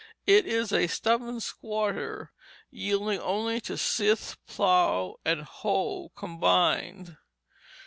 It is a stubborn squatter, yielding only to scythe, plough, and hoe combined.